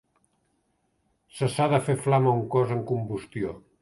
Cessar de fer flama un cos en combustió.